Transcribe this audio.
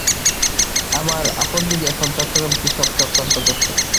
আমার আপন দিদি এখন চট্টগ্রামে কী সব চক্রান্ত করছে।